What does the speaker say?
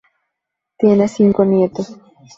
Tiene cinco nietos.